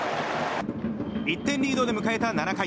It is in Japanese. １点リードで迎えた７回。